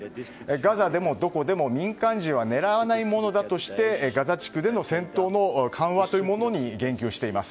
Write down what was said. ガザでも、どこでも民間人は狙わないものだとしてガザ地区での戦闘の緩和というものに言及しています。